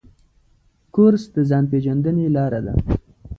کورس د ځان پېژندنې لاره ده.